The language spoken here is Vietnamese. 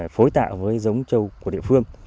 phối tạo với châu của địa phương